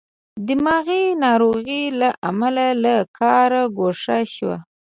دماغې ناروغۍ له امله له کاره ګوښه شو.